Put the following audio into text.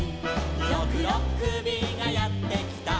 「ろくろっくびがやってきた」